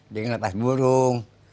dengan lepas burung